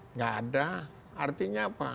enggak ada artinya apa